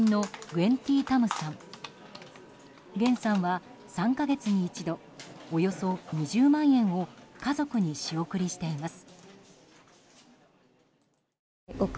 グェンさんは３か月に一度およそ２０万円を家族に仕送りしています。